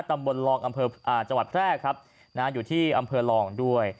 ตำบลรองอำเภอจังหวัดแพร่ครับนะฮะอยู่ที่อำเภอลองด้วย